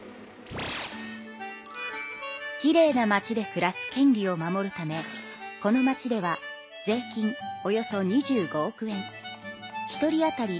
きれいな町で暮らす権利を守るためこの町では税金およそ２５億円１人あたり